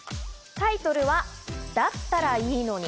タイトルは『だったらいいのに』。